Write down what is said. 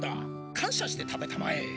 かんしゃして食べたまえ。